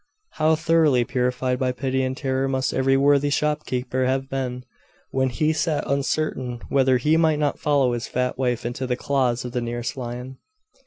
How thoroughly purified by pity and terror must every worthy shopkeeper have been, when he sat uncertain whether he might not follow his fat wife into the claws of the nearest lion!